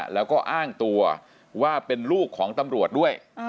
แล้วก็อ้างตัวว่าเป็นลูกของตำรวจด้วย